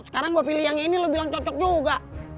sekarang gue pilih yang ini lo bilang cocok juga